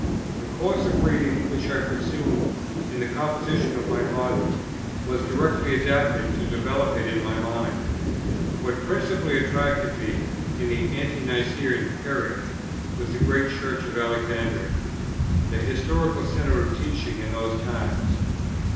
The course of reading, which I pursued in the composition of my volume, was directly adapted to develope it in my mind. What principally attracted me in the ante Nicene period was the great Church of Alexandria, the historical centre of teaching in those times.